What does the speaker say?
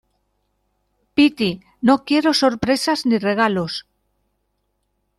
piti, no quiero sorpresas ni regalos